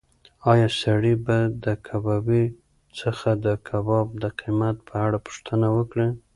ایا سړی به د کبابي څخه د کباب د قیمت په اړه پوښتنه وکړي؟